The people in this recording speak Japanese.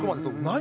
何？